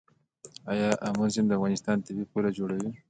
آیا امو سیند د افغانستان طبیعي پوله جوړوي؟